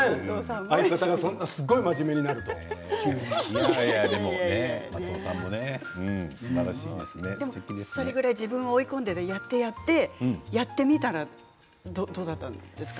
相方がそんなにすごい真面目に松尾さんもねそれぐらい自分を追い込んでやってみたらどうだったんですか？